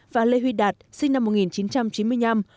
và lê huy đạt sinh năm một nghìn chín trăm chín mươi năm